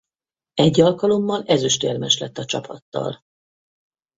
Egy alkalommal ezüstérmes lett a csapattal.